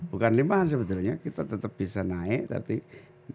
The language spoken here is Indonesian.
bukan limpahan sebetulnya kita tetap bisa naik tapi mereka terbelah ya